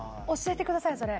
教えてください